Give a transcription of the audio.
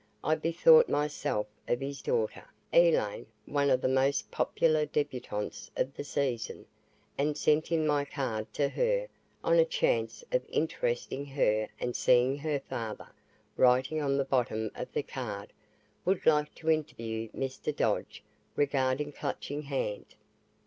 I bethought myself of his daughter, Elaine, one of the most popular debutantes of the season, and sent in my card to her, on a chance of interesting her and seeing her father, writing on the bottom of the card: "Would like to interview Mr. Dodge regarding Clutching Hand."